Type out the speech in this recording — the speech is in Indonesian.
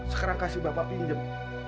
sekarang kasih bapak pinjem